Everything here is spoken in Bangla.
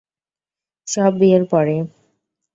সব বিয়ের পরে।